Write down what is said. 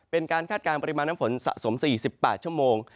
คาดการณ์ปริมาณน้ำฝนสะสม๔๘ชั่วโมง